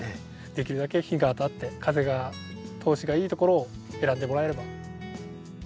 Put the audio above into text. できるだけ日が当たって風が通しがいいところを選んでもらえれば。